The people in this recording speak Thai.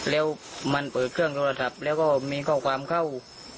แล้วมันเปิดเครื่องโทรศัพท์แล้วก็มีข้อความเข้า